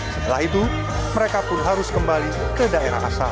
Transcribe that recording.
setelah itu mereka pun harus kembali ke daerah asal